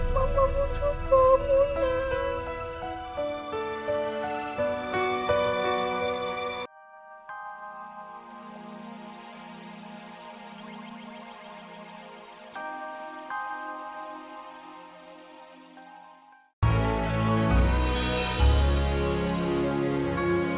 mama pun suka kamu nak